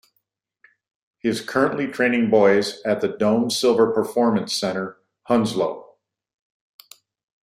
He is currently training boys at the Dome Silver Performance centre, Hounslow.